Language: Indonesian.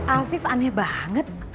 afif aneh banget